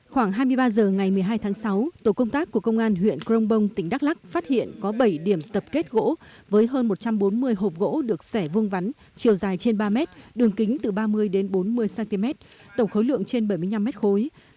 khoảng hai mươi ba h ngày một mươi hai tháng sáu tổ công tác của công an huyện crong bong tỉnh đắk lắc phát hiện có bảy điểm tập kết gỗ với hơn một trăm bốn mươi hộp gỗ được xẻ vuông vắn chiều dài trên ba mét đường kính từ ba mươi đến bốn mươi cm tổng khối lượng trên bảy mươi năm mét khối